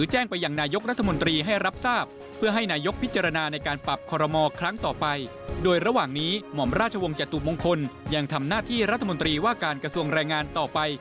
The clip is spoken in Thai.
ให้รัฐมนตรีว่าการกระทรวงแรงงานต่อไป